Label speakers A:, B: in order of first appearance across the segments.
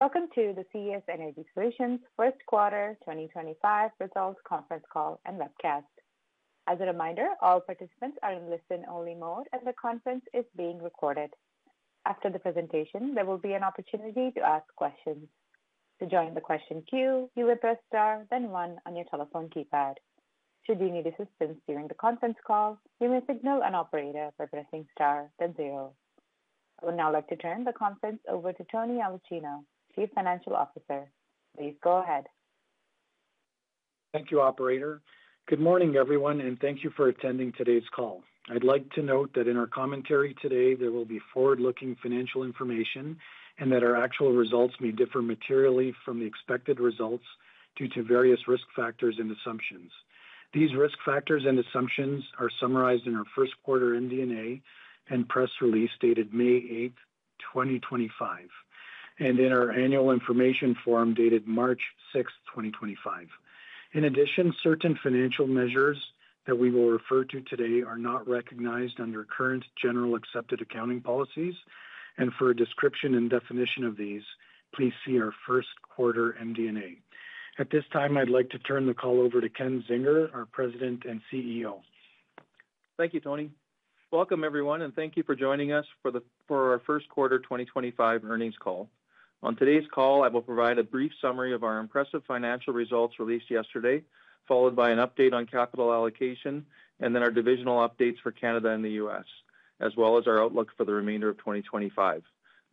A: Welcome to the CES Energy Solutions First Quarter 2025 Results Conference Call and Webcast. As a reminder, all participants are in listen-only mode, and the conference is being recorded. After the presentation, there will be an opportunity to ask questions. To join the question queue, you will press star, then one on your telephone keypad. Should you need assistance during the conference call, you may signal an operator by pressing star, then zero. I would now like to turn the conference over to Tony Aulicino, Chief Financial Officer. Please go ahead.
B: Thank you, Operator. Good morning, everyone, and thank you for attending today's call. I'd like to note that in our commentary today, there will be forward-looking financial information and that our actual results may differ materially from the expected results due to various risk factors and assumptions. These risk factors and assumptions are summarized in our First Quarter MD&A and press release dated May 8, 2025, and in our annual information form dated March 6, 2025. In addition, certain financial measures that we will refer to today are not recognized under current general accepted accounting policies, and for a description and definition of these, please see our First Quarter MD&A. At this time, I'd like to turn the call over to Ken Zinger, our President and CEO.
C: Thank you, Tony. Welcome, everyone, and thank you for joining us for our First Quarter 2025 earnings call. On today's call, I will provide a brief summary of our impressive financial results released yesterday, followed by an update on capital allocation, and then our divisional updates for Canada and the U.S., as well as our outlook for the remainder of 2025.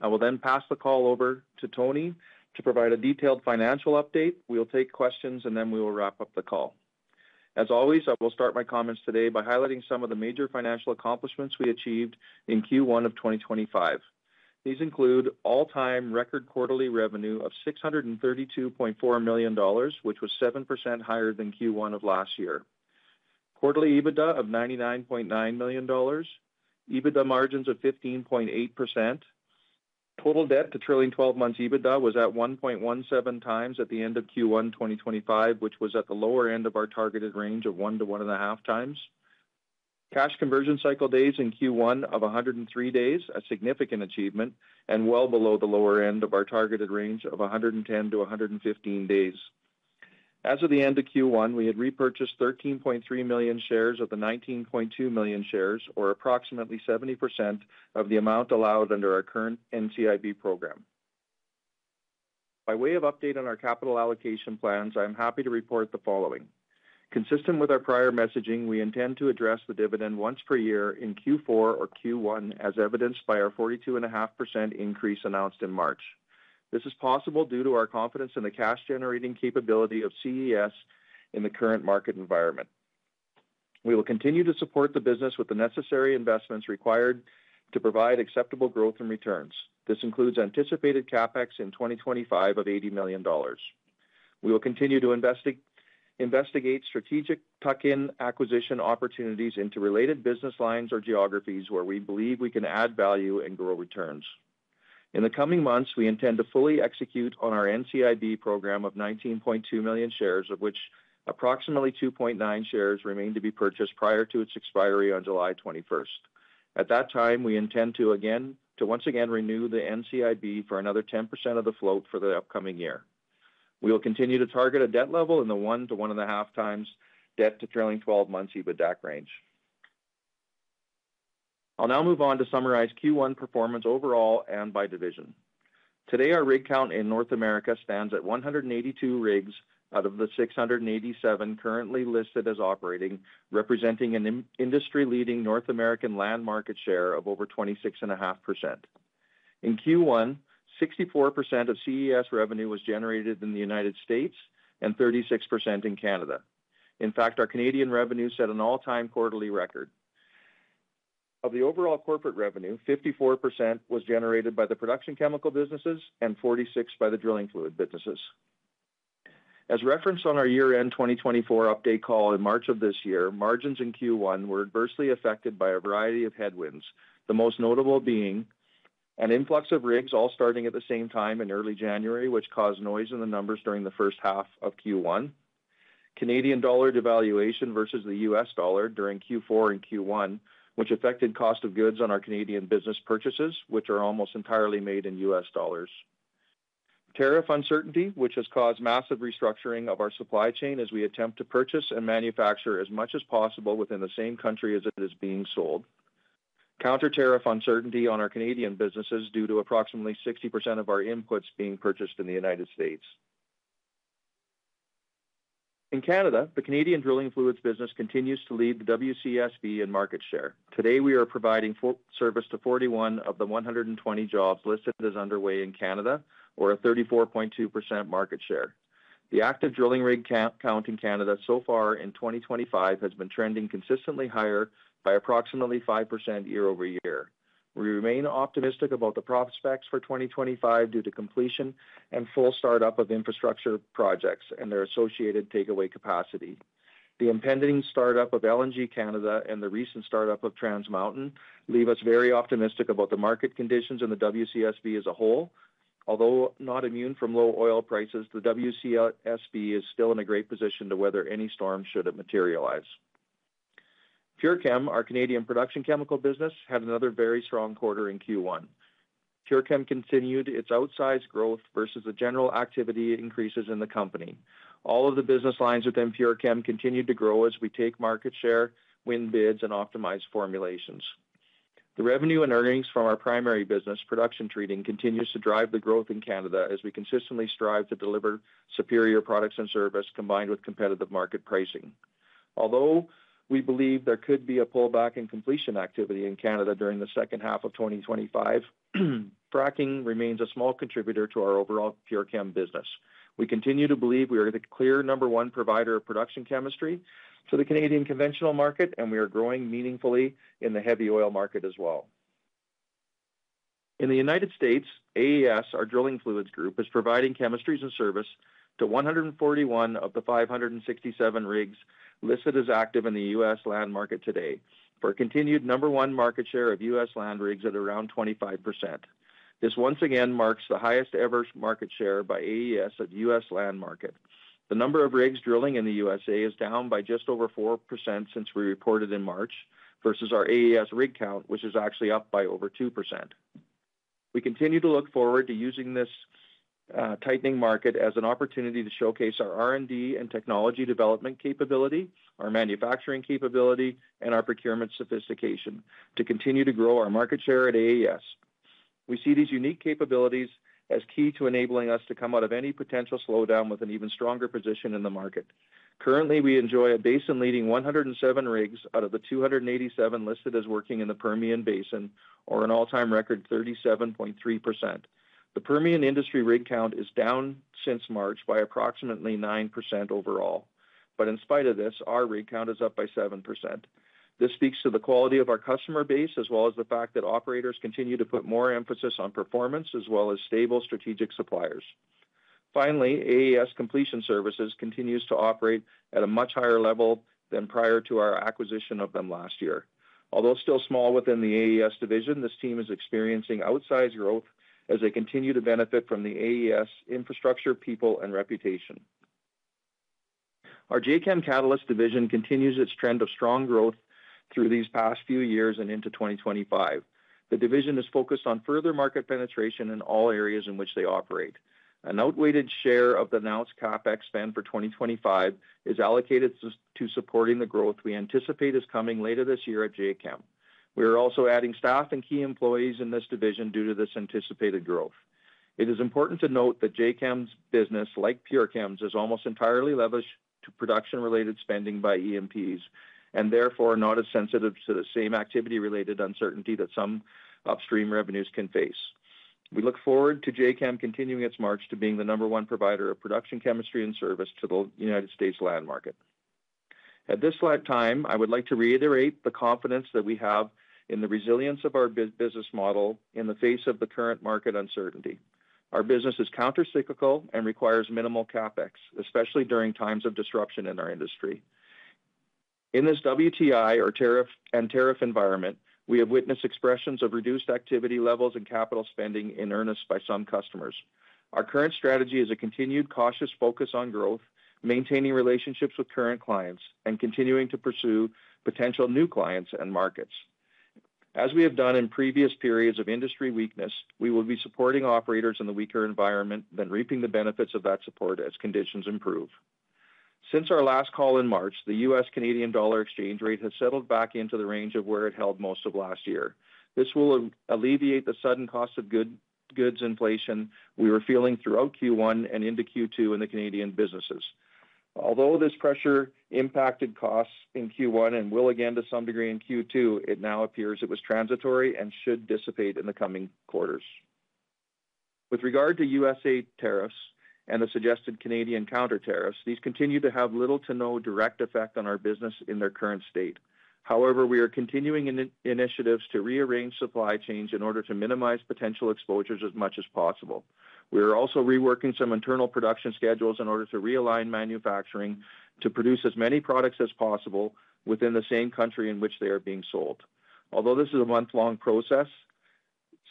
C: I will then pass the call over to Tony to provide a detailed financial update. We'll take questions, and then we will wrap up the call. As always, I will start my comments today by highlighting some of the major financial accomplishments we achieved in Q1 of 2025. These include all-time record quarterly revenue of $632.4 million, which was 7% higher than Q1 of last year, quarterly EBITDA of $99.9 million, EBITDA margins of 15.8%, total debt to trailing 12 months EBITDA was at 1.17 times at the end of Q1 2025, which was at the lower end of our targeted range of 1-1.5 times, cash conversion cycle days in Q1 of 103 days, a significant achievement and well below the lower end of our targeted range of 110-115 days. As of the end of Q1, we had repurchased 13.3 million shares of the 19.2 million shares, or approximately 70% of the amount allowed under our current NCIB program. By way of update on our capital allocation plans, I am happy to report the following. Consistent with our prior messaging, we intend to address the dividend once per year in Q4 or Q1, as evidenced by our 42.5% increase announced in March. This is possible due to our confidence in the cash-generating capability of CES in the current market environment. We will continue to support the business with the necessary investments required to provide acceptable growth and returns. This includes anticipated CapEx in 2025 of $80 million. We will continue to investigate strategic tuck-in acquisition opportunities into related business lines or geographies where we believe we can add value and grow returns. In the coming months, we intend to fully execute on our NCIB program of 19.2 million shares, of which approximately 2.9 million shares remain to be purchased prior to its expiry on July 21. At that time, we intend to once again renew the NCIB for another 10% of the float for the upcoming year. We will continue to target a debt level in the 1-1.5 times debt to trailing 12 months EBITDA range. I'll now move on to summarize Q1 performance overall and by division. Today, our rig count in North America stands at 182 rigs out of the 687 currently listed as operating, representing an industry-leading North American land market share of over 26.5%. In Q1, 64% of CES revenue was generated in the United States and 36% in Canada. In fact, our Canadian revenue set an all-time quarterly record. Of the overall corporate revenue, 54% was generated by the production chemical businesses and 46% by the drilling fluid businesses. As referenced on our year-end 2024 update call in March of this year, margins in Q1 were adversely affected by a variety of headwinds, the most notable being an influx of rigs all starting at the same time in early January, which caused noise in the numbers during the first half of Q1. Canadian dollar devaluation versus the U.S. dollar during Q4 and Q1 affected cost of goods on our Canadian business purchases, which are almost entirely made in U.S. dollars. Tariff uncertainty has caused massive restructuring of our supply chain as we attempt to purchase and manufacture as much as possible within the same country as it is being sold. Counter tariff uncertainty on our Canadian businesses is due to approximately 60% of our inputs being purchased in the United States. In Canada, the Canadian drilling fluids business continues to lead the WCSB in market share. Today, we are providing service to 41 of the 120 jobs listed as underway in Canada, or a 34.2% market share. The active drilling rig count in Canada so far in 2025 has been trending consistently higher by approximately 5% year over year. We remain optimistic about the prospects for 2025 due to completion and full start-up of infrastructure projects and their associated takeaway capacity. The impending start-up of LNG Canada and the recent start-up of Trans Mountain leave us very optimistic about the market conditions in the WCSB as a whole. Although not immune from low oil prices, the WCSB is still in a great position to weather any storm should it materialize. PureChem, our Canadian production chemical business, had another very strong quarter in Q1. PureChem continued its outsized growth versus the general activity increases in the company. All of the business lines within PureChem continued to grow as we take market share, win bids, and optimize formulations. The revenue and earnings from our primary business, production treating, continues to drive the growth in Canada as we consistently strive to deliver superior products and services combined with competitive market pricing. Although we believe there could be a pullback in completion activity in Canada during the second half of 2025, fracking remains a small contributor to our overall PureChem business. We continue to believe we are the clear number one provider of production chemistry to the Canadian conventional market, and we are growing meaningfully in the heavy oil market as well. In the U.S., AES, our drilling fluids group, is providing chemistries and service to 141 of the 567 rigs listed as active in the U.S. land market today for a continued number one market share of U.S. land rigs at around 25%. This once again marks the highest-ever market share by AES of the U.S. land market. The number of rigs drilling in the U.S.A. is down by just over 4% since we reported in March versus our AES rig count, which is actually up by over 2%. We continue to look forward to using this tightening market as an opportunity to showcase our R&D and technology development capability, our manufacturing capability, and our procurement sophistication to continue to grow our market share at AES. We see these unique capabilities as key to enabling us to come out of any potential slowdown with an even stronger position in the market. Currently, we enjoy a basin-leading 107 rigs out of the 287 listed as working in the Permian Basin, or an all-time record 37.3%. The Permian industry rig count is down since March by approximately 9% overall, but in spite of this, our rig count is up by 7%. This speaks to the quality of our customer base as well as the fact that operators continue to put more emphasis on performance as well as stable strategic suppliers. Finally, AES completion services continues to operate at a much higher level than prior to our acquisition of them last year. Although still small within the AES division, this team is experiencing outsized growth as they continue to benefit from the AES infrastructure, people, and reputation. Our JChem Catalyst division continues its trend of strong growth through these past few years and into 2025. The division is focused on further market penetration in all areas in which they operate. An outweighed share of the announced CapEx spend for 2025 is allocated to supporting the growth we anticipate is coming later this year at JChem. We are also adding staff and key employees in this division due to this anticipated growth. It is important to note that JChem's business, like PureChem's, is almost entirely leveraged to production-related spending by EPs and therefore not as sensitive to the same activity-related uncertainty that some upstream revenues can face. We look forward to JChem continuing its march to being the number one provider of production chemistry and service to the United States land market. At this time, I would like to reiterate the confidence that we have in the resilience of our business model in the face of the current market uncertainty. Our business is countercyclical and requires minimal CapEx, especially during times of disruption in our industry. In this WTI and tariff environment, we have witnessed expressions of reduced activity levels and capital spending in earnest by some customers. Our current strategy is a continued cautious focus on growth, maintaining relationships with current clients, and continuing to pursue potential new clients and markets. As we have done in previous periods of industry weakness, we will be supporting operators in the weaker environment then reaping the benefits of that support as conditions improve. Since our last call in March, the U.S. Canadian dollar exchange rate has settled back into the range of where it held most of last year. This will alleviate the sudden cost of goods inflation we were feeling throughout Q1 and into Q2 in the Canadian businesses. Although this pressure impacted costs in Q1 and will again to some degree in Q2, it now appears it was transitory and should dissipate in the coming quarters. With regard to U.S.A. tariffs and the suggested Canadian counter tariffs, these continue to have little to no direct effect on our business in their current state. However, we are continuing initiatives to rearrange supply chains in order to minimize potential exposures as much as possible. We are also reworking some internal production schedules in order to realign manufacturing to produce as many products as possible within the same country in which they are being sold. Although this is a month-long process,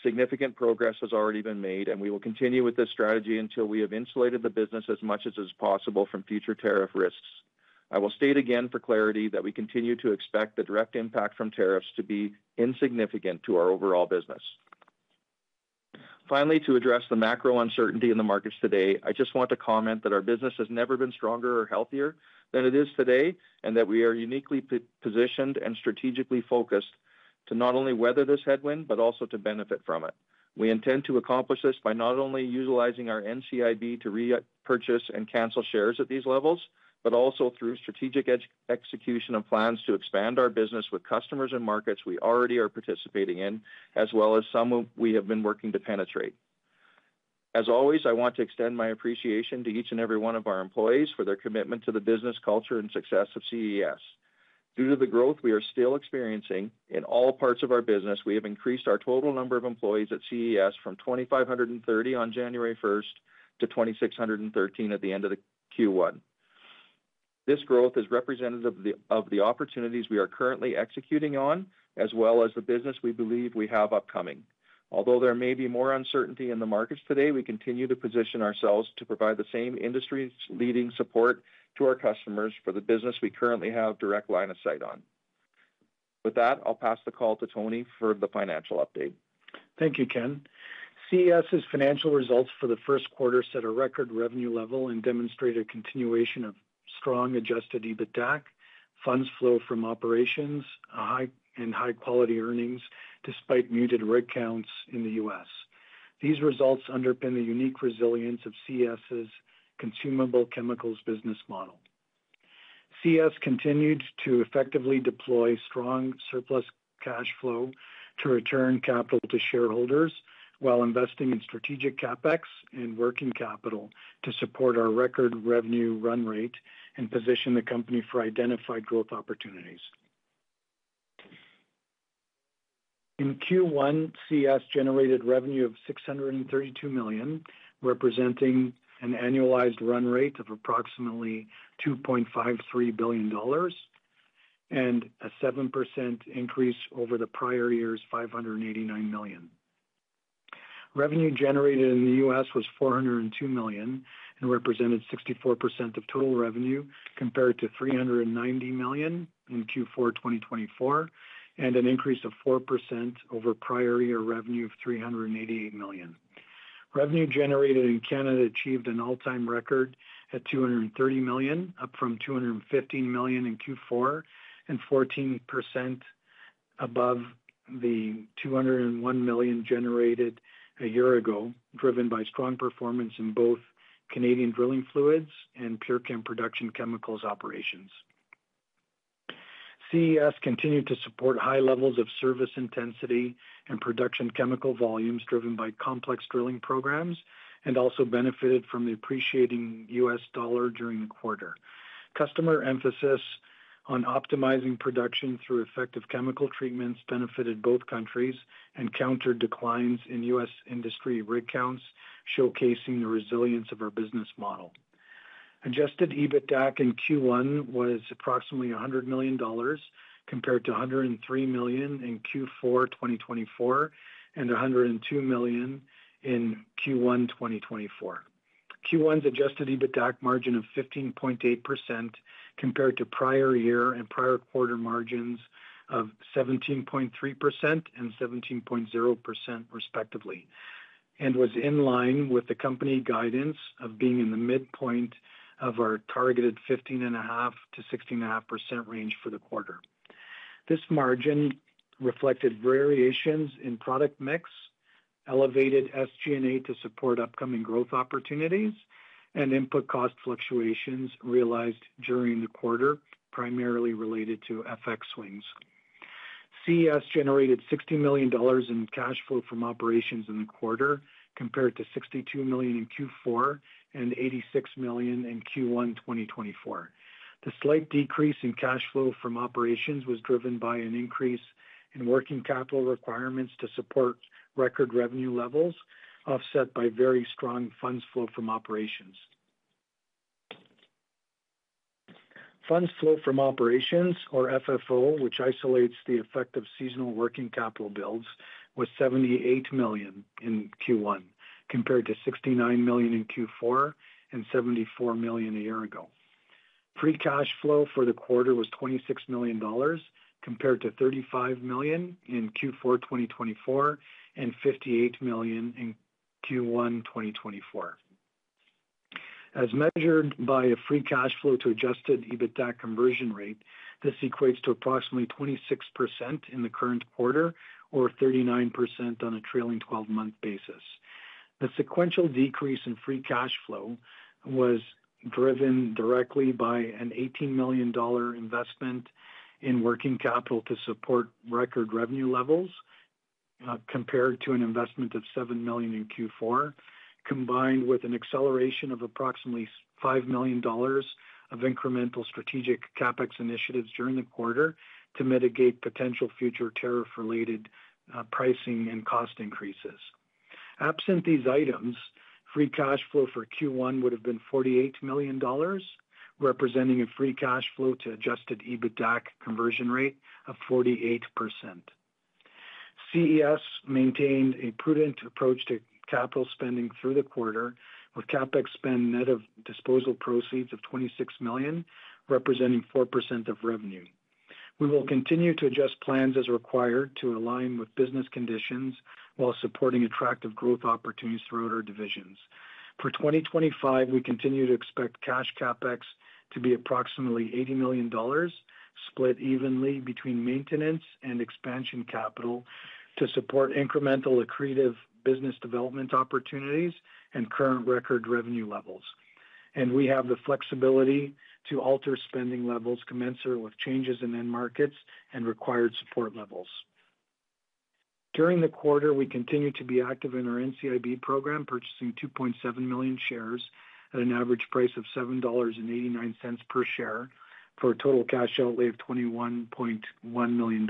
C: significant progress has already been made, and we will continue with this strategy until we have insulated the business as much as possible from future tariff risks. I will state again for clarity that we continue to expect the direct impact from tariffs to be insignificant to our overall business. Finally, to address the macro uncertainty in the markets today, I just want to comment that our business has never been stronger or healthier than it is today and that we are uniquely positioned and strategically focused to not only weather this headwind but also to benefit from it. We intend to accomplish this by not only utilizing our NCIB to repurchase and cancel shares at these levels, but also through strategic execution of plans to expand our business with customers and markets we already are participating in, as well as some we have been working to penetrate. As always, I want to extend my appreciation to each and every one of our employees for their commitment to the business culture and success of CES. Due to the growth we are still experiencing in all parts of our business, we have increased our total number of employees at CES from 2,530 on January 1 to 2,613 at the end of Q1. This growth is representative of the opportunities we are currently executing on, as well as the business we believe we have upcoming. Although there may be more uncertainty in the markets today, we continue to position ourselves to provide the same industry-leading support to our customers for the business we currently have direct line of sight on. With that, I'll pass the call to Tony for the financial update.
B: Thank you, Ken. CES's financial results for the first quarter set a record revenue level and demonstrated continuation of strong adjusted EBITDA, funds flow from operations, and high-quality earnings despite muted rig counts in the U.S. These results underpin the unique resilience of CES's consumable chemicals business model. CES continued to effectively deploy strong surplus cash flow to return capital to shareholders while investing in strategic CapEx and working capital to support our record revenue run rate and position the company for identified growth opportunities. In Q1, CES generated revenue of $632 million, representing an annualized run rate of approximately $2.53 billion and a 7% increase over the prior year's $589 million. Revenue generated in the U.S. was $402 million and represented 64% of total revenue, compared to $390 million in Q4 2024 and an increase of 4% over prior year revenue of $388 million. Revenue generated in Canada achieved an all-time record at $230 million, up from $215 million in Q4 and 14% above the $201 million generated a year ago, driven by strong performance in both Canadian drilling fluids and PureChem production chemicals operations. CES continued to support high levels of service intensity and production chemical volumes driven by complex drilling programs and also benefited from the appreciating U.S. dollar during the quarter. Customer emphasis on optimizing production through effective chemical treatments benefited both countries and countered declines in U.S. industry rig counts, showcasing the resilience of our business model. Adjusted EBITDA in Q1 was approximately $100 million, compared to $103 million in Q4 2024 and $102 million in Q1 2024. Q1's adjusted EBITDA margin of 15.8% compared to prior year and prior quarter margins of 17.3% and 17.0%, respectively, and was in line with the company guidance of being in the midpoint of our targeted 15.5%-16.5% range for the quarter. This margin reflected variations in product mix, elevated SG&A to support upcoming growth opportunities, and input cost fluctuations realized during the quarter, primarily related to FX swings. CES generated $60 million in cash flow from operations in the quarter, compared to $62 million in Q4 and $86 million in Q1 2024. The slight decrease in cash flow from operations was driven by an increase in working capital requirements to support record revenue levels, offset by very strong funds flow from operations. Funds flow from operations, or FFO, which isolates the effect of seasonal working capital builds, was $78 million in Q1, compared to $69 million in Q4 and $74 million a year ago. Free cash flow for the quarter was $26 million, compared to $35 million in Q4 2024 and $58 million in Q1 2024. As measured by a free cash flow to adjusted EBITDA conversion rate, this equates to approximately 26% in the current quarter, or 39% on a trailing 12-month basis. The sequential decrease in free cash flow was driven directly by an $18 million investment in working capital to support record revenue levels, compared to an investment of $7 million in Q4, combined with an acceleration of approximately $5 million of incremental strategic CapEx initiatives during the quarter to mitigate potential future tariff-related pricing and cost increases. Absent these items, free cash flow for Q1 would have been $48 million, representing a free cash flow to adjusted EBITDA conversion rate of 48%. CES maintained a prudent approach to capital spending through the quarter, with CapEx spend net of disposal proceeds of $26 million, representing 4% of revenue. We will continue to adjust plans as required to align with business conditions while supporting attractive growth opportunities throughout our divisions. For 2025, we continue to expect cash CapEx to be approximately $80 million, split evenly between maintenance and expansion capital to support incremental accretive business development opportunities and current record revenue levels. We have the flexibility to alter spending levels commensurate with changes in end markets and required support levels. During the quarter, we continue to be active in our NCIB program, purchasing 2.7 million shares at an average price of $7.89 per share for a total cash outlay of $21.1 million,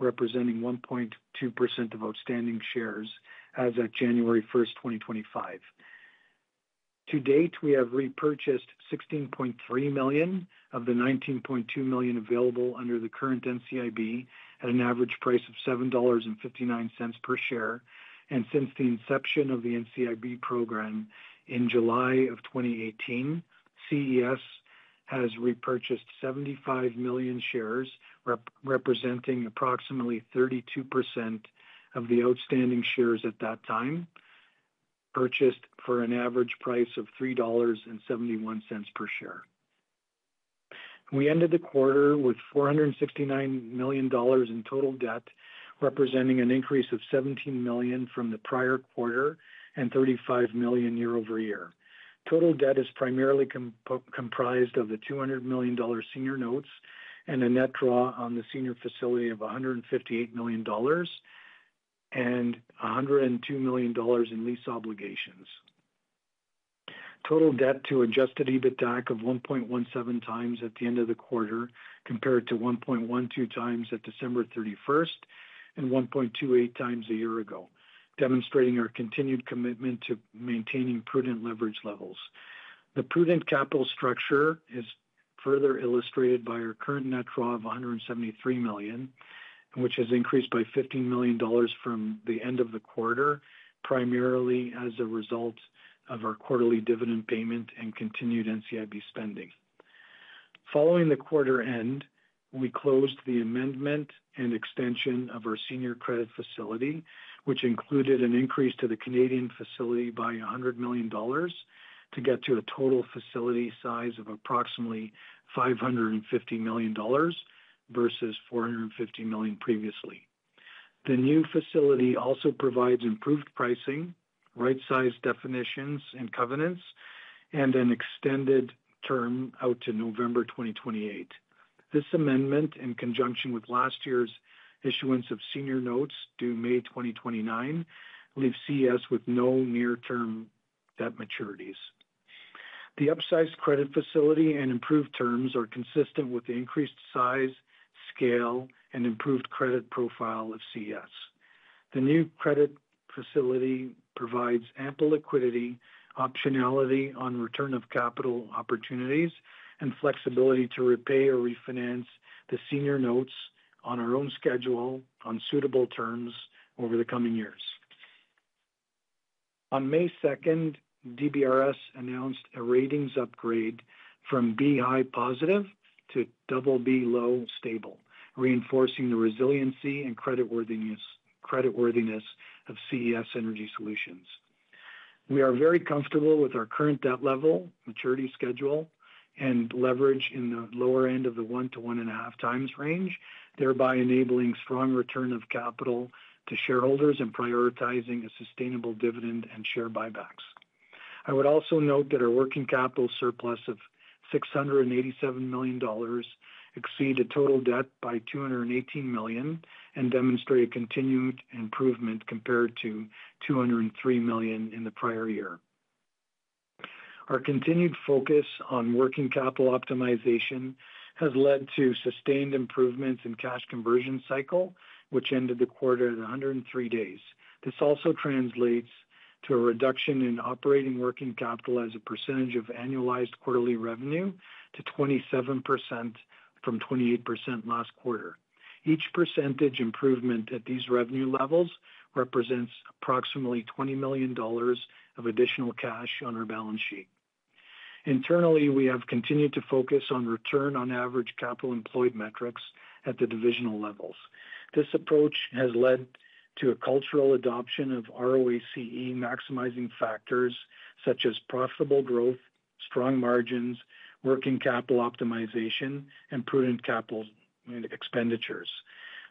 B: representing 1.2% of outstanding shares as of January 1, 2025. To date, we have repurchased $16.3 million of the $19.2 million available under the current NCIB at an average price of $7.59 per share. Since the inception of the NCIB program in July of 2018, CES has repurchased 75 million shares, representing approximately 32% of the outstanding shares at that time, purchased for an average price of $3.71 per share. We ended the quarter with 469 million dollars in total debt, representing an increase of 17 million from the prior quarter and 35 million year over year. Total debt is primarily comprised of the 200 million dollar senior notes and a net draw on the senior facility of 158 million dollars and 102 million dollars in lease obligations. Total debt to adjusted EBITDA of 1.17 times at the end of the quarter, compared to 1.12 times at December 31 and 1.28 times a year ago, demonstrating our continued commitment to maintaining prudent leverage levels. The prudent capital structure is further illustrated by our current net draw of $173 million, which has increased by $15 million from the end of the quarter, primarily as a result of our quarterly dividend payment and continued NCIB spending. Following the quarter end, we closed the amendment and extension of our senior credit facility, which included an increase to the Canadian facility by 100 million dollars to get to a total facility size of approximately 550 million dollars versus 450 million previously. The new facility also provides improved pricing, right-sized definitions and covenants, and an extended term out to November 2028. This amendment, in conjunction with last year's issuance of senior notes due May 2029, leaves CES with no near-term debt maturities. The upsized credit facility and improved terms are consistent with the increased size, scale, and improved credit profile of CES. The new credit facility provides ample liquidity, optionality on return of capital opportunities, and flexibility to repay or refinance the senior notes on our own schedule on suitable terms over the coming years. On May 2, DBRS announced a ratings upgrade from B high positive to BB low stable, reinforcing the resiliency and creditworthiness of CES Energy Solutions. We are very comfortable with our current debt level, maturity schedule, and leverage in the lower end of the 1-1.5 times range, thereby enabling strong return of capital to shareholders and prioritizing a sustainable dividend and share buybacks. I would also note that our working capital surplus of 687 million dollars exceeded total debt by 218 million and demonstrated continued improvement compared to 203 million in the prior year. Our continued focus on working capital optimization has led to sustained improvements in cash conversion cycle, which ended the quarter at 103 days. This also translates to a reduction in operating working capital as a percentage of annualized quarterly revenue to 27% from 28% last quarter. Each percentage improvement at these revenue levels represents approximately $20 million of additional cash on our balance sheet. Internally, we have continued to focus on return on average capital employed metrics at the divisional levels. This approach has led to a cultural adoption of ROACE maximizing factors such as profitable growth, strong margins, working capital optimization, and prudent capital expenditures.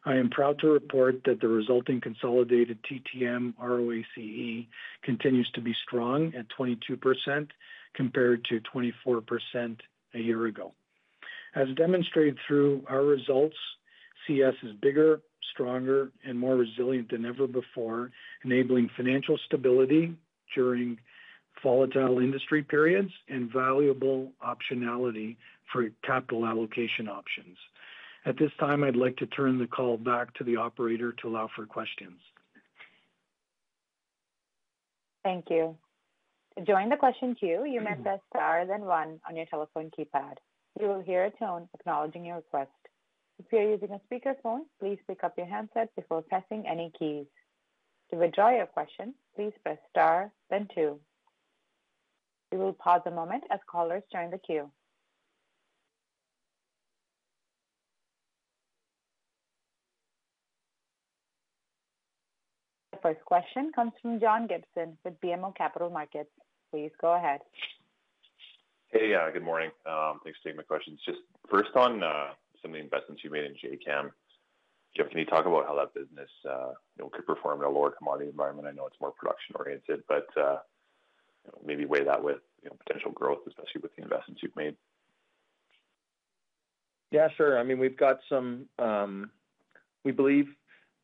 B: I am proud to report that the resulting consolidated TTM ROACE continues to be strong at 22% compared to 24% a year ago. As demonstrated through our results, CES is bigger, stronger, and more resilient than ever before, enabling financial stability during volatile industry periods and valuable optionality for capital allocation options. At this time, I'd like to turn the call back to the operator to allow for questions.
A: Thank you. To join the question queue, you may press star then one on your telephone keypad. You will hear a tone acknowledging your request. If you're using a speakerphone, please pick up your handset before pressing any keys. To withdraw your question, please press star then two. We will pause a moment as callers join the queue. The first question comes from John Gibson with BMO Capital Markets. Please go ahead.
D: Hey, good morning. Thanks for taking my questions. Just first on some of the investments you made in JChem. Ken, can you talk about how that business could perform in a lower commodity environment? I know it's more production-oriented, but maybe weigh that with potential growth, especially with the investments you've made.
C: Yeah, sure. I mean, we believe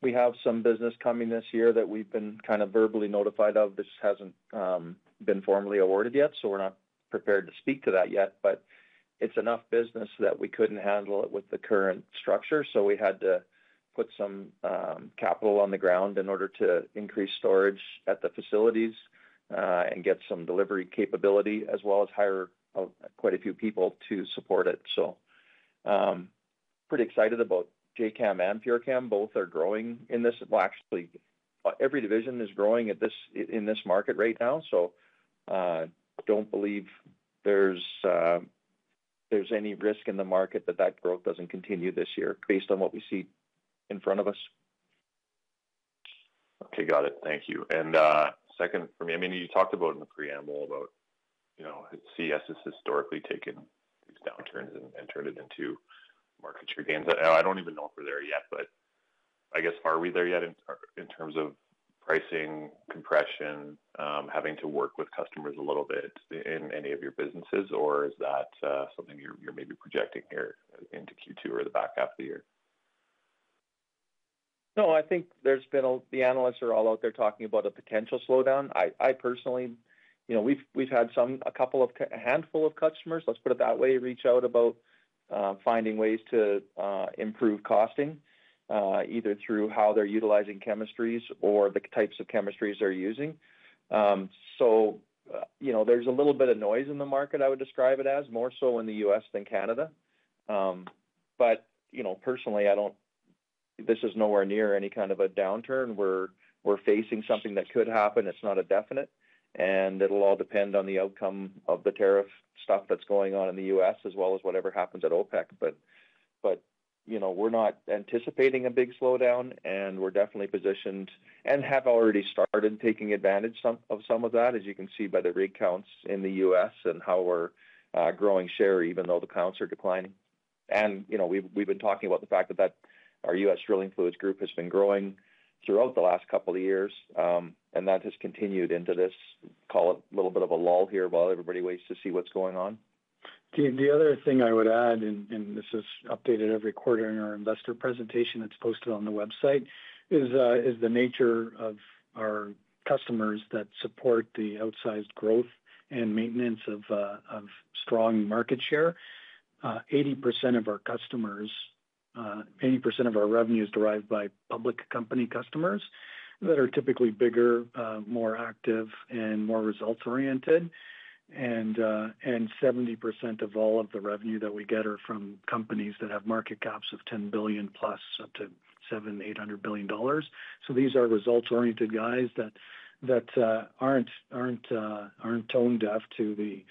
C: we have some business coming this year that we've been kind of verbally notified of. This hasn't been formally awarded yet, so we're not prepared to speak to that yet. It is enough business that we couldn't handle it with the current structure. We had to put some capital on the ground in order to increase storage at the facilities and get some delivery capability, as well as hire quite a few people to support it. I am pretty excited about JChem Catalyst and PureChem. Both are growing in this—actually, every division is growing in this market right now. do not believe there is any risk in the market that that growth does not continue this year based on what we see in front of us.
D: Okay, got it. Thank you. Second for me, I mean, you talked about in the preamble about CES has historically taken these downturns and turned it into market share gains. I do not even know if we are there yet, but I guess, are we there yet in terms of pricing, compression, having to work with customers a little bit in any of your businesses, or is that something you are maybe projecting here into Q2 or the back half of the year?
C: No, I think the analysts are all out there talking about a potential slowdown. I personally—we've had a handful of customers, let's put it that way, reach out about finding ways to improve costing, either through how they're utilizing chemistries or the types of chemistries they're using. There is a little bit of noise in the market, I would describe it as, more so in the U.S. than Canada. Personally, this is nowhere near any kind of a downturn. We're facing something that could happen. It's not a definite. It will all depend on the outcome of the tariff stuff that's going on in the U.S., as well as whatever happens at OPEC. We're not anticipating a big slowdown, and we're definitely positioned and have already started taking advantage of some of that, as you can see by the rig counts in the U.S. and how we're growing share, even though the counts are declining. We have been talking about the fact that our U.S. drilling fluids group has been growing throughout the last couple of years, and that has continued into this, call it a little bit of a lull here while everybody waits to see what is going on.
B: The other thing I would add, and this is updated every quarter in our investor presentation that is posted on the website, is the nature of our customers that support the outsized growth and maintenance of strong market share. 80% of our customers, 80% of our revenue is derived by public company customers that are typically bigger, more active, and more results-oriented. 70% of all of the revenue that we get is from companies that have market caps of $10 billion plus, up to $700 billion-$800 billion. These are results-oriented guys that are not tone deaf to the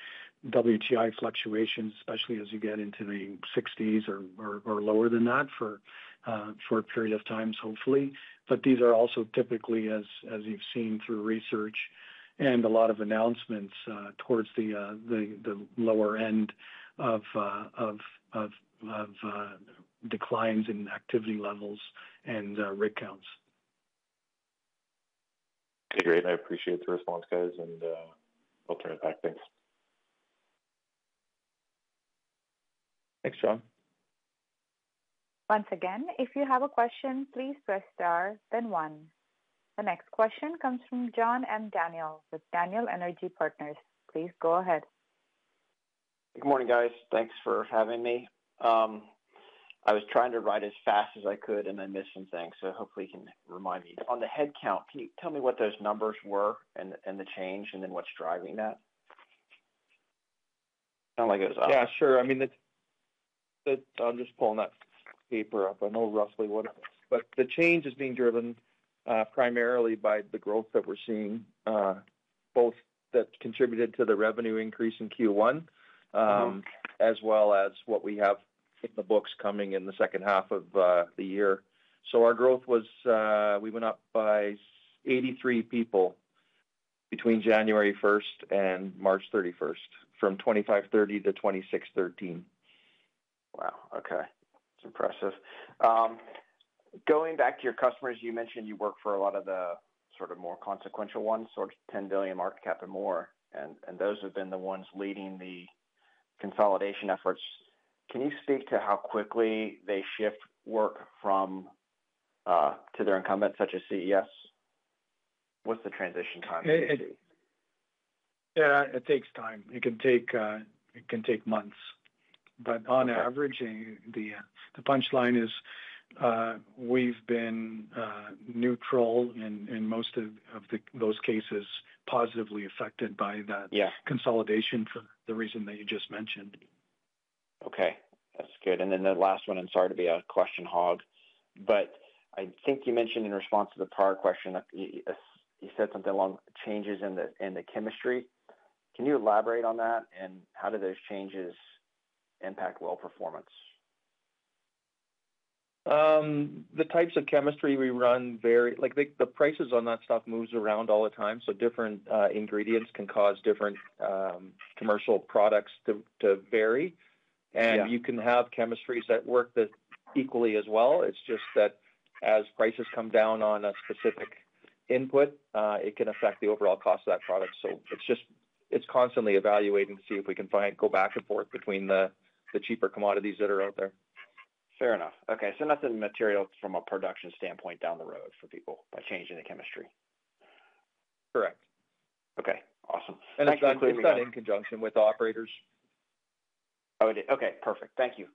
B: WTI fluctuations, especially as you get into the $60s or lower than that for a period of time, hopefully. These are also typically, as you have seen through research and a lot of announcements, towards the lower end of declines in activity levels and rig counts.
D: Okay, great. I appreciate the response, guys, and I will turn it back. Thanks.
A: Thanks, John. Once again, if you have a question, please press star then one. The next question comes from John M. Daniel with Daniel Energy Partners. Please go ahead.
E: Good morning, guys. Thanks for having me. I was trying to write as fast as I could, and I missed some things, so hopefully you can remind me. On the headcount, can you tell me what those numbers were and the change and then what is driving that?
C: Sounds like it was up. Yeah, sure. I mean, I'm just pulling that paper up. I know roughly what it is. But the change is being driven primarily by the growth that we're seeing, both that contributed to the revenue increase in Q1 as well as what we have in the books coming in the second half of the year. So our growth was we went up by 83 people between January 1 and March 31 from 2,530 to 2,613.
E: Wow. Okay. That's impressive. Going back to your customers, you mentioned you work for a lot of the sort of more consequential ones, sort of $10 billion market cap and more, and those have been the ones leading the consolidation efforts. Can you speak to how quickly they shift work to their incumbents, such as CES? What's the transition time?
B: Yeah, it takes time. It can take months. On average, the punchline is we've been neutral in most of those cases, positively affected by that consolidation for the reason that you just mentioned.
E: Okay. That's good. The last one, and sorry to be a question hog, but I think you mentioned in response to the prior question, you said something along changes in the chemistry. Can you elaborate on that, and how do those changes impact well performance?
C: The types of chemistry we run vary. The prices on that stuff move around all the time, so different ingredients can cause different commercial products to vary. You can have chemistries that work equally as well. It's just that as prices come down on a specific input, it can affect the overall cost of that product. It's constantly evaluating to see if we can go back and forth between the cheaper commodities that are out there.
E: Fair enough. Okay. Nothing material from a production standpoint down the road for people by changing the chemistry.
C: Correct.
E: Okay. Awesome.
C: Actually, I think we've done it in conjunction with the operators.
E: Oh, it did? Okay. Perfect. Thank you.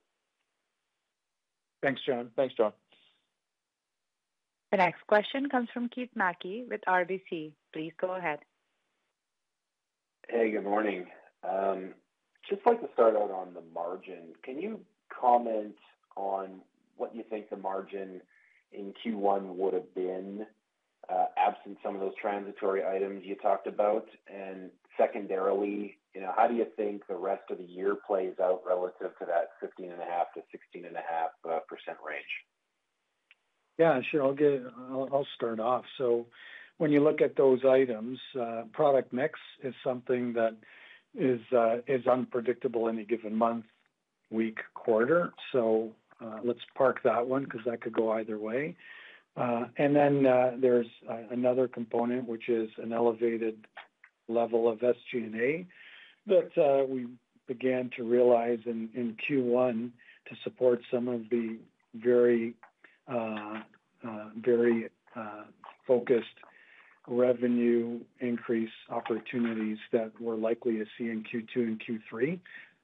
B: Thanks, John.
C: Thanks, John.
A: The next question comes from Keith Mackie with RBC. Please go ahead.
F: Hey, good morning. Just like to start out on the margin. Can you comment on what you think the margin in Q1 would have been absent some of those transitory items you talked about? Secondarily, how do you think the rest of the year plays out relative to that 15.5%-16.5% range?
B: Yeah, sure. I'll start off. When you look at those items, product mix is something that is unpredictable in a given month, week, quarter. Let's park that one because that could go either way. There is another component, which is an elevated level of SG&A that we began to realize in Q1 to support some of the very focused revenue increase opportunities that we are likely to see in Q2 and Q3,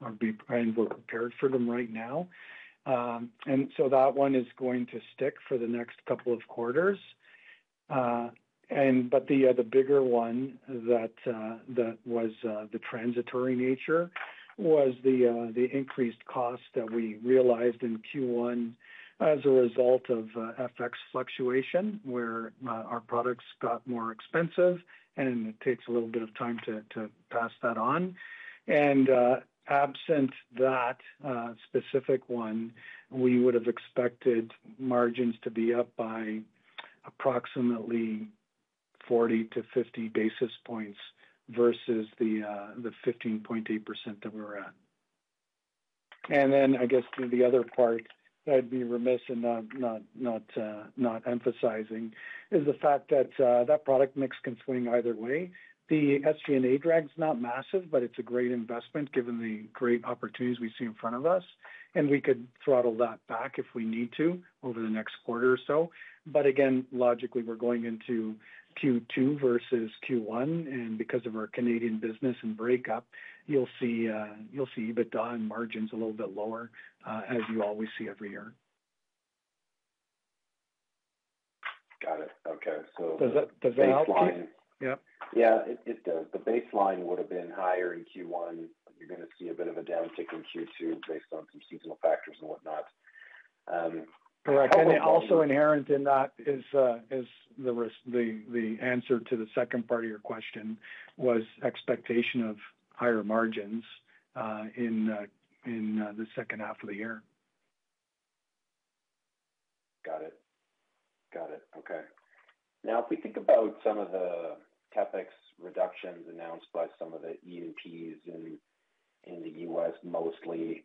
B: and we are prepared for them right now. That one is going to stick for the next couple of quarters. The bigger one that was the transitory nature was the increased cost that we realized in Q1 as a result of FX fluctuation, where our products got more expensive, and it takes a little bit of time to pass that on. Absent that specific one, we would have expected margins to be up by approximately 40-50 basis points versus the 15.8% that we are at. I guess the other part that I would be remiss in not emphasizing is the fact that that product mix can swing either way. The SG&A drag is not massive, but it is a great investment given the great opportunities we see in front of us. We could throttle that back if we need to over the next quarter or so. Again, logically, we are going into Q2 versus Q1. Because of our Canadian business and breakup, you will see EBITDA and margins a little bit lower, as you always see every year.
F: Got it. Okay. The baseline—yeah. Yeah, it does. The baseline would have been higher in Q1. You're going to see a bit of a downtick in Q2 based on some seasonal factors and whatnot.
B: Correct. Also inherent in that is the answer to the second part of your question, which was expectation of higher margins in the second half of the year.
F: Got it. Got it. Okay. Now, if we think about some of the CapEx reductions announced by some of the E&Ps in the U.S. mostly,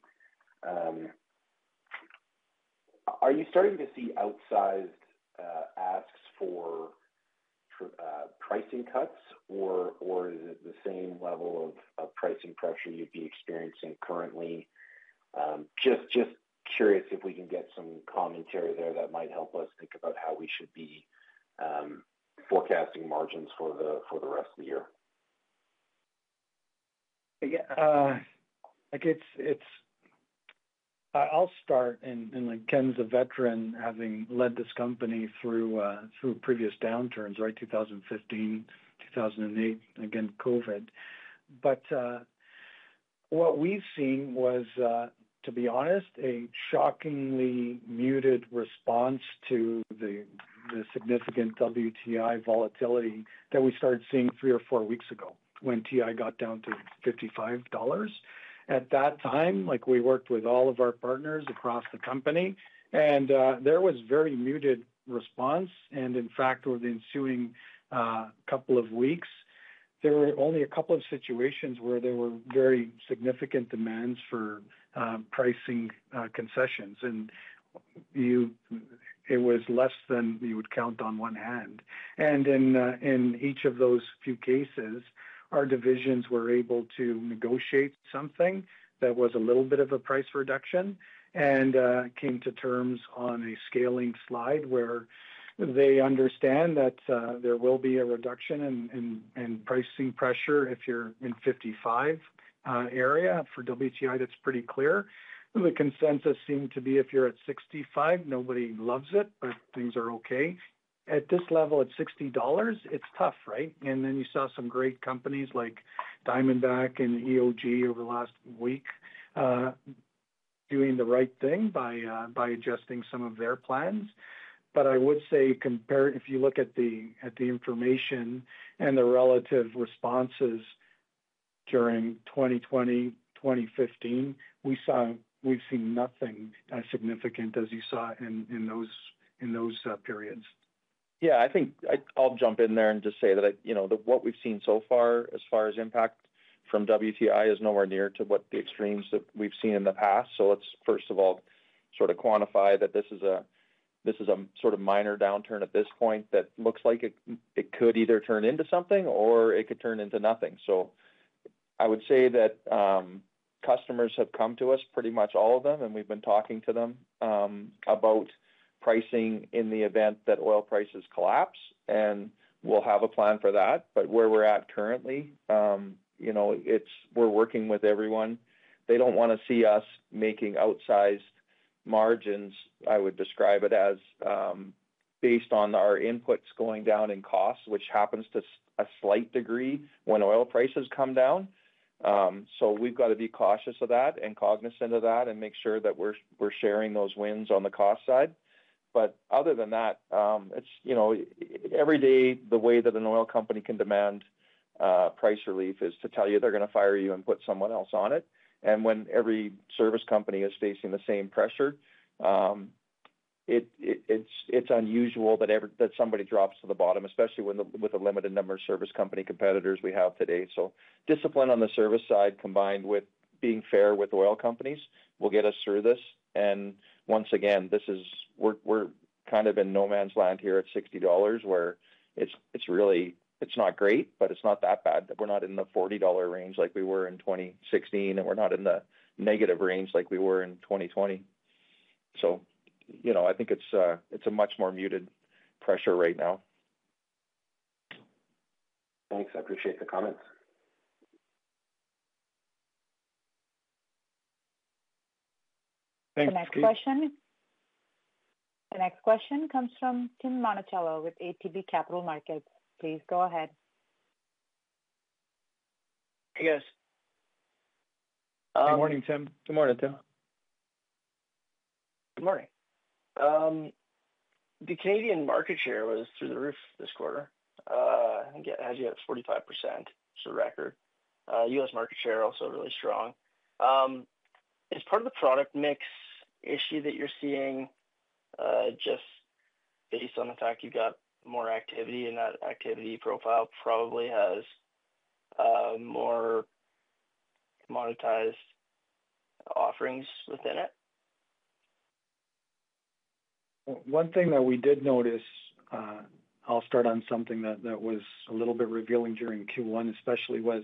F: are you starting to see outsized asks for pricing cuts, or is it the same level of pricing pressure you'd be experiencing currently? Just curious if we can get some commentary there that might help us think about how we should be forecasting margins for the rest of the year.
B: Yeah. I'll start in the kind of veteran, having led this company through previous downturns, right? 2015, 2008, and again, COVID. What we have seen was, to be honest, a shockingly muted response to the significant WTI volatility that we started seeing three or four weeks ago when WTI got down to $55. At that time, we worked with all of our partners across the company, and there was a very muted response. In fact, over the ensuing couple of weeks, there were only a couple of situations where there were very significant demands for pricing concessions. It was less than you would count on one hand. In each of those few cases, our divisions were able to negotiate something that was a little bit of a price reduction and came to terms on a scaling slide where they understand that there will be a reduction in pricing pressure if you are in the $55 area for WTI. That is pretty clear. The consensus seemed to be if you're at $65, nobody loves it, but things are okay. At this level, at $60, it's tough, right? You saw some great companies like Diamondback and EOG over the last week doing the right thing by adjusting some of their plans. I would say, if you look at the information and the relative responses during 2020, 2015, we've seen nothing significant, as you saw in those periods.
C: Yeah. I think I'll jump in there and just say that what we've seen so far as far as impact from WTI is nowhere near to what the extremes that we've seen in the past. Let's, first of all, sort of quantify that this is a sort of minor downturn at this point that looks like it could either turn into something or it could turn into nothing. I would say that customers have come to us, pretty much all of them, and we've been talking to them about pricing in the event that oil prices collapse. We'll have a plan for that. Where we're at currently, we're working with everyone. They don't want to see us making outsized margins. I would describe it as based on our inputs going down in cost, which happens to a slight degree when oil prices come down. We've got to be cautious of that and cognizant of that and make sure that we're sharing those wins on the cost side. Other than that, every day, the way that an oil company can demand price relief is to tell you they're going to fire you and put someone else on it. When every service company is facing the same pressure, it's unusual that somebody drops to the bottom, especially with the limited number of service company competitors we have today. Discipline on the service side, combined with being fair with oil companies, will get us through this. Once again, we're kind of in no-man's-land here at $60, where it's not great, but it's not that bad that we're not in the $40 range like we were in 2016, and we're not in the negative range like we were in 2020. I think it's a much more muted pressure right now.
F: Thanks. I appreciate the comments.
C: Thanks. Thank you.
A: The next question comes from Tim Monticello with ATB Capital Markets. Please go ahead.
G: Hey, guys.
B: Good morning, Tim.
C: Good morning, Tim.
G: Good morning. The Canadian market share was through the roof this quarter. It has yet 45%, just for the record. U.S. market share also really strong. As part of the product mix issue that you're seeing, just based on the fact you've got more activity, and that activity profile probably has more commoditized offerings within it.
B: One thing that we did notice—I will start on something that was a little bit revealing during Q1, especially—was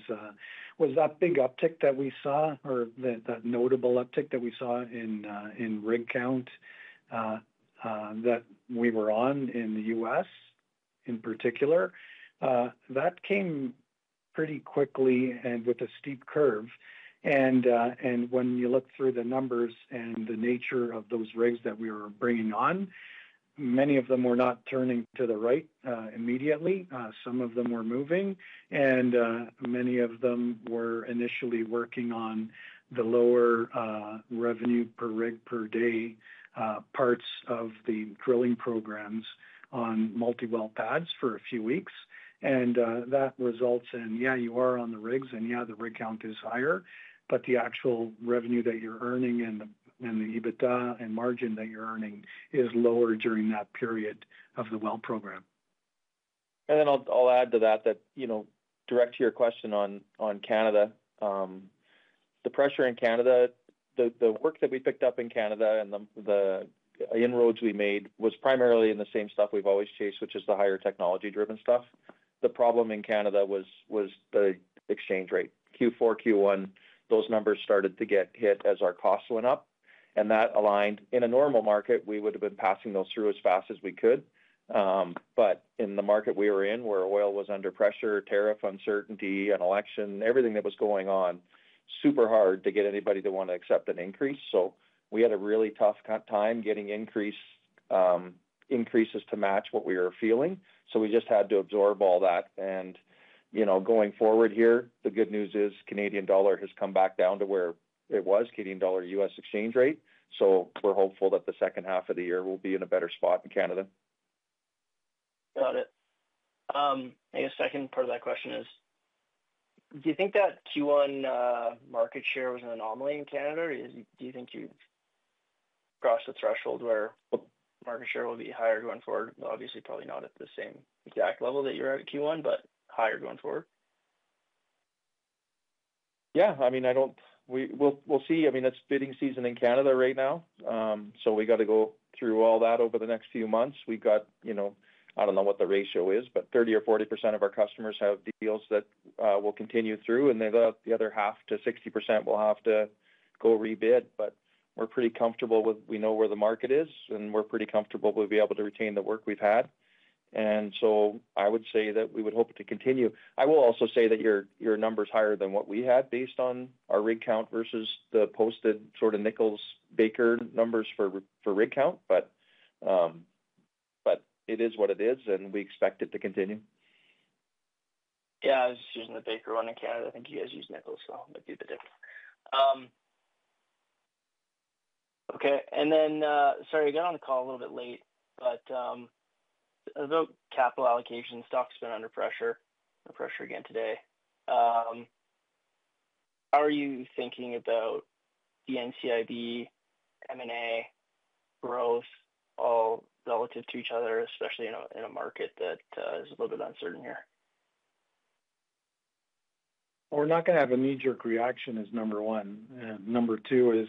B: that big uptick that we saw, or that notable uptick that we saw in rig count that we were on in the U.S., in particular. That came pretty quickly and with a steep curve. When you look through the numbers and the nature of those rigs that we were bringing on, many of them were not turning to the right immediately. Some of them were moving. Many of them were initially working on the lower revenue per rig per day parts of the drilling programs on multi-well pads for a few weeks. That results in, yeah, you are on the rigs, and yeah, the rig count is higher, but the actual revenue that you're earning and the EBITDA and margin that you're earning is lower during that period of the well program.
C: I'll add to that that, direct to your question on Canada, the pressure in Canada, the work that we picked up in Canada and the inroads we made was primarily in the same stuff we've always chased, which is the higher technology-driven stuff. The problem in Canada was the exchange rate. Q4, Q1, those numbers started to get hit as our costs went up. That aligned. In a normal market, we would have been passing those through as fast as we could. In the market we were in, where oil was under pressure, tariff uncertainty, and election, everything that was going on, super hard to get anybody to want to accept an increase. We had a really tough time getting increases to match what we were feeling. We just had to absorb all that. Going forward here, the good news is Canadian dollar has come back down to where it was, Canadian dollar U.S. exchange rate. We are hopeful that the second half of the year will be in a better spot in Canada.
G: Got it. I guess the second part of that question is, do you think that Q1 market share was an anomaly in Canada? Do you think you have crossed the threshold where market share will be higher going forward?
C: Obviously, probably not at the same exact level that you're at Q1, but higher going forward. Yeah. I mean, we'll see. I mean, it's bidding season in Canada right now. We got to go through all that over the next few months. We've got—I don't know what the ratio is, but 30% or 40% of our customers have deals that will continue through. The other half to 60% will have to go re-bid. We're pretty comfortable with—we know where the market is, and we're pretty comfortable we'll be able to retain the work we've had. I would say that we would hope to continue. I will also say that your number is higher than what we had based on our rig count versus the posted sort of Nichols Baker numbers for rig count. It is what it is, and we expect it to continue.
G: Yeah. I was using the Baker one in Canada. I think you guys use Nichols, so it might be the difference. Okay. Sorry, I got on the call a little bit late, but the capital allocation stock's been under pressure. Pressure again today. How are you thinking about the NCIB, M&A, growth, all relative to each other, especially in a market that is a little bit uncertain here?
B: We're not going to have a knee-jerk reaction is number one. Number two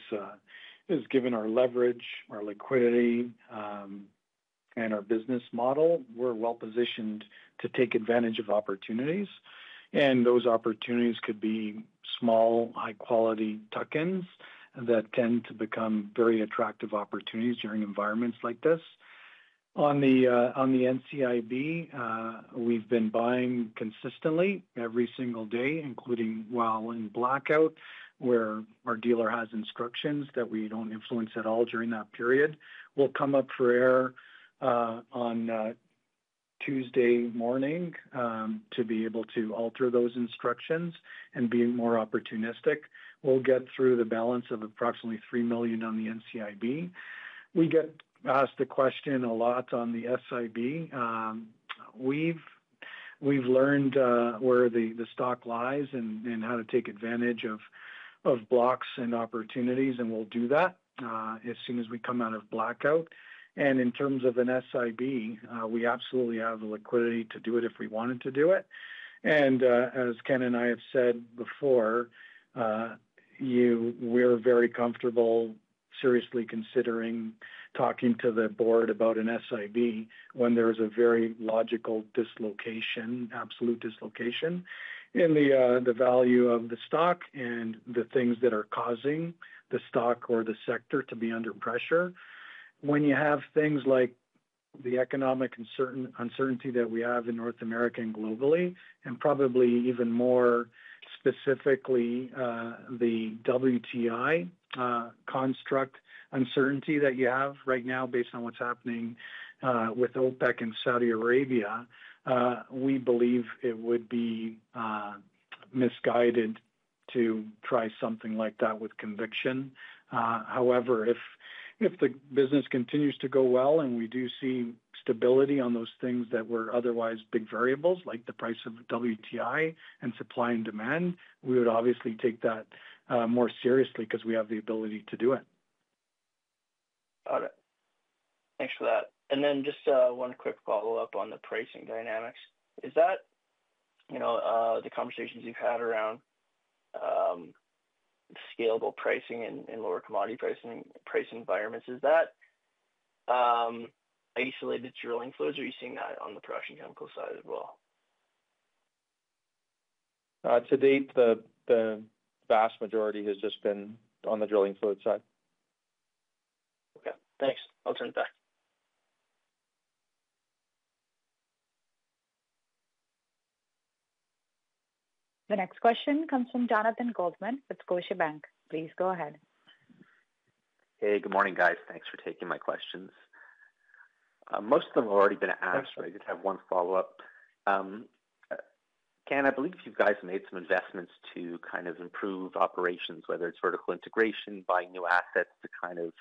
B: is, given our leverage, our liquidity, and our business model, we're well-positioned to take advantage of opportunities. Those opportunities could be small, high-quality tuck-ins that tend to become very attractive opportunities during environments like this. On the NCIB, we've been buying consistently every single day, including while in blackout, where our dealer has instructions that we do not influence at all during that period. We will come up for air on Tuesday morning to be able to alter those instructions and be more opportunistic. We will get through the balance of approximately 3 million on the NCIB. We get asked the question a lot on the SIB. We have learned where the stock lies and how to take advantage of blocks and opportunities, and we will do that as soon as we come out of blackout. In terms of an SIB, we absolutely have the liquidity to do it if we wanted to do it. As Ken and I have said before, we're very comfortable seriously considering talking to the board about an SIB when there is a very logical dislocation, absolute dislocation in the value of the stock and the things that are causing the stock or the sector to be under pressure. When you have things like the economic uncertainty that we have in North America and globally, and probably even more specifically the WTI construct uncertainty that you have right now based on what's happening with OPEC in Saudi Arabia, we believe it would be misguided to try something like that with conviction. However, if the business continues to go well and we do see stability on those things that were otherwise big variables, like the price of WTI and supply and demand, we would obviously take that more seriously because we have the ability to do it.
G: Got it. Thanks for that. And then just one quick follow-up on the pricing dynamics. Is that the conversations you've had around scalable pricing and lower commodity pricing environments? Is that isolated drilling fluids? Are you seeing that on the production chemical side as well?
C: To date, the vast majority has just been on the drilling fluid side.
G: Okay. Thanks. I'll turn it back.
A: The next question comes from Jonathan Goldman with Scotiabank. Please go ahead.
H: Hey, good morning, guys. Thanks for taking my questions. Most of them have already been asked, but I just have one follow-up. Ken, I believe you guys have made some investments to kind of improve operations, whether it's vertical integration, buying new assets to kind of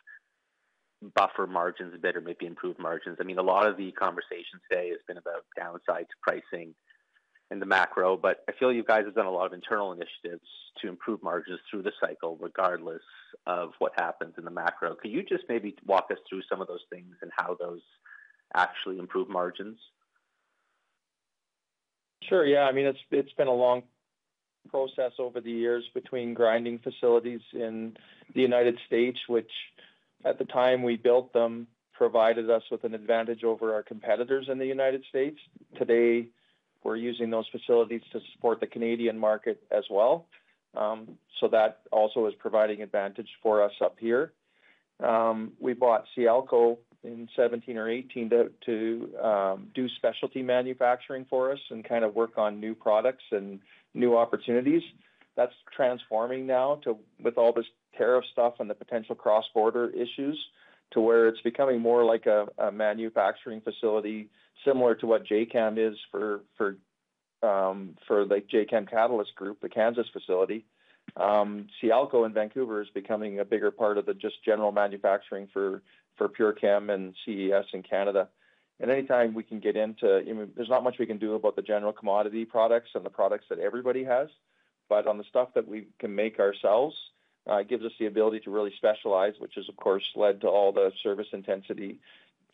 H: buffer margins a bit or maybe improve margins. I mean, a lot of the conversation today has been about downside pricing in the macro, but I feel you guys have done a lot of internal initiatives to improve margins through the cycle, regardless of what happens in the macro. Could you just maybe walk us through some of those things and how those actually improve margins?
C: Sure. Yeah. I mean, it's been a long process over the years between grinding facilities in the United States, which, at the time we built them, provided us with an advantage over our competitors in the United States. Today, we're using those facilities to support the Canadian market as well. That also is providing advantage for us up here. We bought Cielco in 2017 or 2018 to do specialty manufacturing for us and kind of work on new products and new opportunities. That's transforming now with all this tariff stuff and the potential cross-border issues to where it's becoming more like a manufacturing facility similar to what JChem is for JChem Catalyst Group, the Kansas facility. Cielco in Vancouver is becoming a bigger part of the just general manufacturing for PureChem and CES in Canada. Anytime we can get into there's not much we can do about the general commodity products and the products that everybody has. On the stuff that we can make ourselves, it gives us the ability to really specialize, which has, of course, led to all the service intensity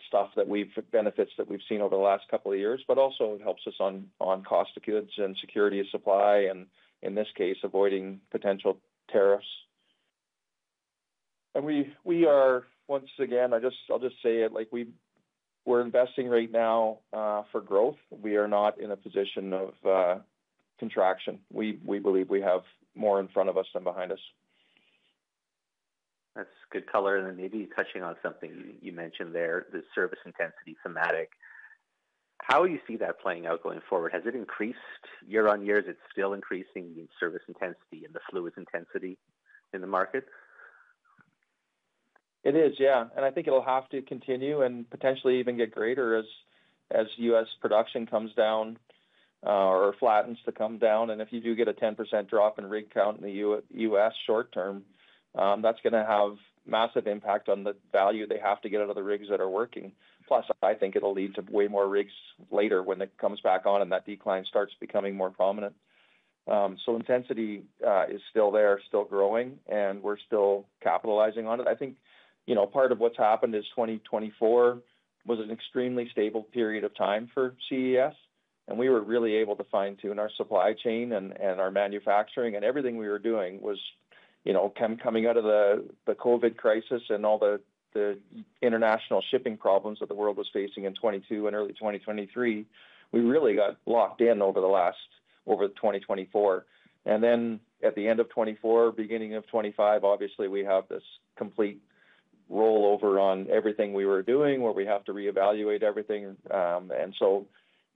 C: stuff that we've benefits that we've seen over the last couple of years, but also it helps us on cost of goods and security of supply and, in this case, avoiding potential tariffs.
B: We are, once again, I'll just say it. We're investing right now for growth. We are not in a position of contraction. We believe we have more in front of us than behind us.
H: That's good color. Maybe touching on something you mentioned there, the service intensity thematic. How do you see that playing out going forward? Has it increased year on year? Is it still increasing in service intensity and the fluid intensity in the market? It is, yeah. I think it'll have to continue and potentially even get greater as U.S. production comes down or flattens to come down. If you do get a 10% drop in rig count in the U.S. short-term, that's going to have massive impact on the value they have to get out of the rigs that are working. Plus, I think it'll lead to way more rigs later when it comes back on and that decline starts becoming more prominent. Intensity is still there, still growing, and we're still capitalizing on it. I think part of what's happened is 2024 was an extremely stable period of time for CES. We were really able to fine-tune our supply chain and our manufacturing. Everything we were doing was coming out of the COVID crisis and all the international shipping problems that the world was facing in 2022 and early 2023. We really got locked in over 2024. At the end of 2024, beginning of 2025, obviously, we have this complete rollover on everything we were doing where we have to reevaluate everything. It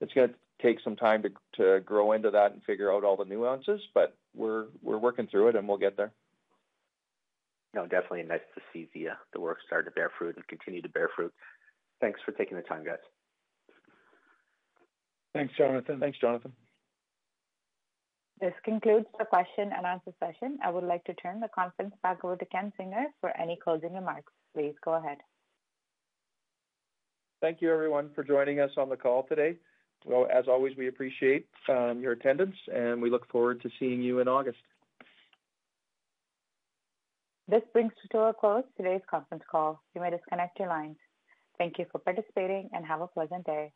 H: is going to take some time to grow into that and figure out all the nuances, but we are working through it, and we will get there. No, definitely nice to see the work start to bear fruit and continue to bear fruit. Thanks for taking the time, guys. Thanks, Jonathan. Thanks, Jonathan. This concludes the question and answer session. I would like to turn the conference back over to Ken Zinger for any closing remarks. Please go ahead.
C: Thank you, everyone, for joining us on the call today. As always, we appreciate your attendance, and we look forward to seeing you in August. This brings us to a close of today's conference call. You may disconnect your lines. Thank you for participating, and have a pleasant day.